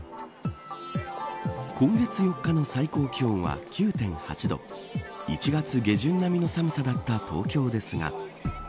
今月４日の最高気温は９．８度１月下旬並みの寒さだった東京ですが。